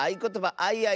「あいあい」！